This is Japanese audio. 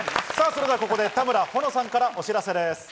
それでは、ここで田村保乃さんからお知らせです。